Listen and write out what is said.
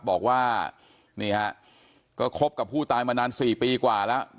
บอกว่านี่ฮะก็คบกับผู้ตายมานาน๔ปีกว่าแล้ว